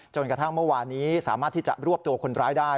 จนกระทั่งเมื่อวานนี้สามารถที่จะรวบตัวคนร้ายได้